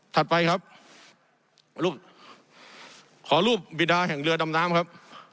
ไปครับรูปขอรูปบิดาแห่งเรือดำน้ำครับ